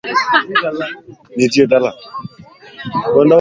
huzalishwa kutoka kwenye msitu huo Mwandishi mwengine